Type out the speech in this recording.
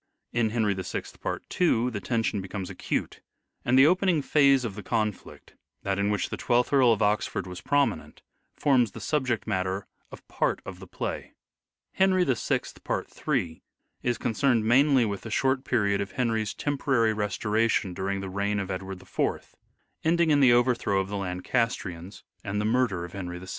In " Henry VI," part 2, the tension becomes acute, and the opening phase of the conflict, that in which the Twelfth Earl of Oxford was prominent, forms the subject matter of part of the play. " Henry VI," part 3, is concerned mainly with the short period of Henry's temporary restoration during the reign of Edward IV, ending in the overthrow of the Lancas ANCESTRY OF EDWARD DE VERE 225 trians and the murder of Henry VI.